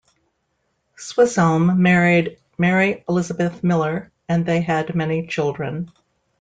Swisshelm married Mary Elizabeth Miller, and they had many children.